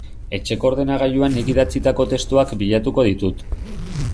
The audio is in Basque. Etxeko ordenagailuan nik idatzitako testuak bilatuko ditut.